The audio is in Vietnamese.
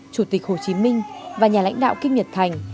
chủ tịch hồ chí minh và nhà lãnh đạo kim nhật thành